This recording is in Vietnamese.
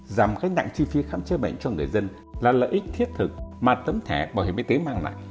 giảm gánh nặng chi phí khám chế bệnh cho người dân là lợi ích thiết thực mà tấm thẻ bảo hiểm y tế mang lại